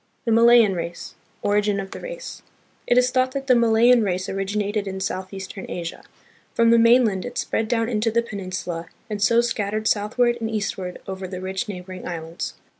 The Malayan Race. Origin of the Race. It is thought that the Malayan race originated in southeastern Asia. From the mainland it spread down into the pen insula and so scattered southward and eastward over the rich neighboring islands.